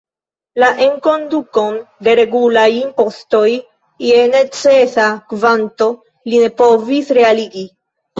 La enkondukon de regulaj impostoj je necesa kvanto li ne povis realigi.